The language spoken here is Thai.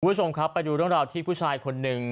คุณผู้ชมครับไปดูเรื่องราวที่ผู้ชายคนหนึ่ง